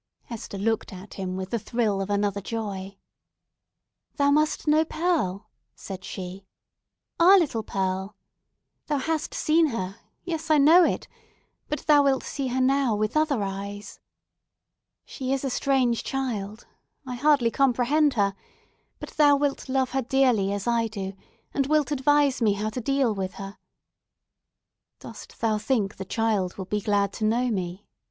Hester looked at him with a thrill of another joy. "Thou must know Pearl!" said she. "Our little Pearl! Thou hast seen her—yes, I know it!—but thou wilt see her now with other eyes. She is a strange child! I hardly comprehend her! But thou wilt love her dearly, as I do, and wilt advise me how to deal with her!" "Dost thou think the child will be glad to know me?"